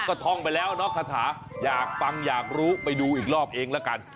ก็ท่องไปแล้วเนาะคาถาอยากฟังอยากรู้ไปดูอีกรอบเองละกัน